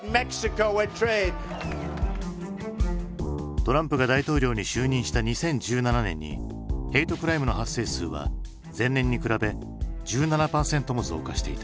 トランプが大統領に就任した２０１７年にヘイトクライムの発生数は前年に比べ１７％も増加していた。